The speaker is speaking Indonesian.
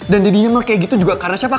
dan dadinya mel kayak gitu juga karena siapa